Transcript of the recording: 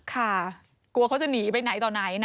ค่ะกลัวเขาจะหนีไปไหนต่อไหนนะ